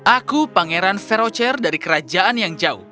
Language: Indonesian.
aku pangeran ferocher dari kerajaan yang jauh